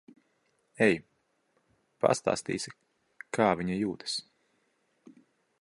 Ej. Pastāstīsi, kā viņa jūtas.